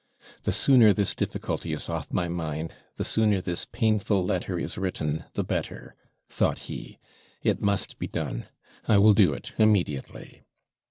'The sooner this difficulty is off my mind, the sooner this painful letter is written, the better,' thought he. 'It must be done I will do it immediately.'